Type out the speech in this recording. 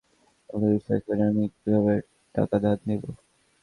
ওকে বিশ্বাস করে আমি কিভাবে টাকা ধার দিব?